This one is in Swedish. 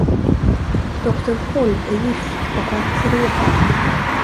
Doktor Kolb är gift och har tre barn.